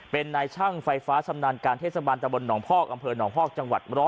เป็นนายช่างไฟฟ้าชำนาญการเทศบาลตะบลหนองพอกอำเภอหนองฮอกจังหวัด๑๐